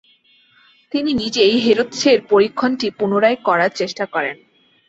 তিনি নিজেই হেরৎসের পরীক্ষণটি পুনরায় করার চেষ্টা করেন।